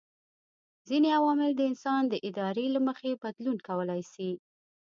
ځيني عوامل د انسان د ارادې له مخي بدلون کولای سي